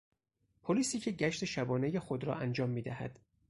پلیسی که گشت شبانهی خود را انجام میدهد